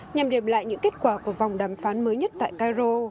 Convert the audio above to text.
nhằm điểm lại những kết quả của vòng đàm phán mới nhất tại cairo